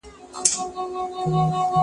کتاب د زده کوونکي له خوا لوستل کيږي!